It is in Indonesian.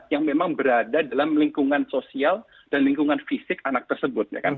yang memang berada dalam lingkungan sosial dan lingkungan fisik anak tersebut